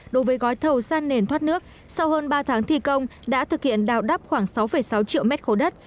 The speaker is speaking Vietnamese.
đối với gói thầu san nền thoát nước sau hơn ba tháng thi công đã thực hiện đào đắp khoảng sáu sáu triệu mét khối đất